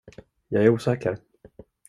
Jag är osäker.